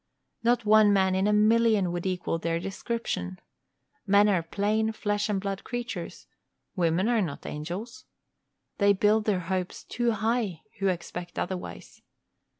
Not one man in a million would equal their description. Men are plain flesh and blood creatures; women are not angels. They build their hopes too high who expect otherwise.